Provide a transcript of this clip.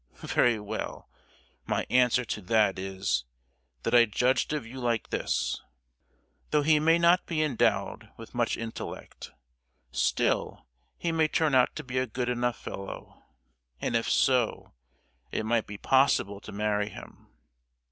Very well; my answer to that is, that I judged of you like this: 'Though he may not be endowed with much intellect, still he may turn out to be a good enough fellow; and if so, it might be possible to marry him.